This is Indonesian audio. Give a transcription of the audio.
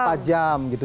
empat jam gitu